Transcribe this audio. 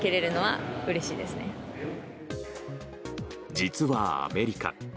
実は、アメリカ。